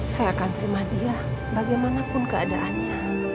saya akan terima dia bagaimanapun keadaannya